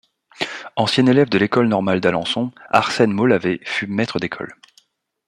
Ancien élève de l'École Normale d'Alençon, Arsène Maulavé fut maître d'école.